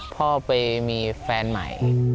พ่อไปมีแฟนใหม่